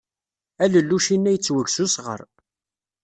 Alelluc-inna yettweg s usɣar.